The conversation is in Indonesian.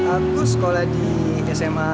aku sekolah di sma delapan puluh satu